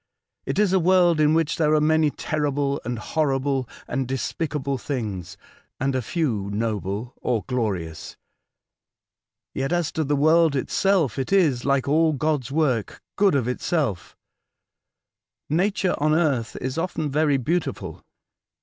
It is a world in which there are many terrible, and horrible, and despicable things, and a few noble or glorious. Yet, as to the world itself, it is, like all God's work, good of itself. Nature on earth is often very beautiful.